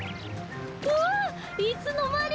うわいつのまに！？